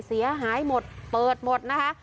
เสียหายหมดเปิดหมดนะคะ